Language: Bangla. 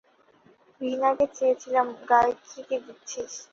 ভীনাকে চেয়েছিলাম, গায়ত্রীকে দিচ্ছিস।